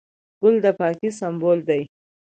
ګل د پاکۍ سمبول دی.